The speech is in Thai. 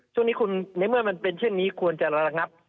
ช่วงนี้คุณในเมื่อมันเป็นเช่นนี้ควรจะระงับ